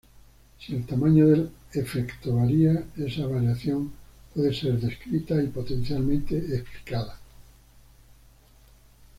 Si el tamaño del efecto varía, esa variación puede ser descrita y, potencialmente explicada.